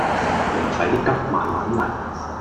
唔使急慢慢嚟